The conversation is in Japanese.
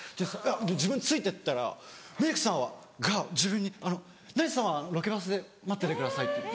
自分ついてったらメークさんが自分に「成田さんはロケバスで待っててください」って言って。